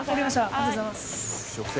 ありがとうございます。